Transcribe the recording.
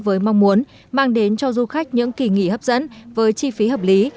với mong muốn mang đến cho du khách những kỳ nghỉ hấp dẫn với chi phí hợp lý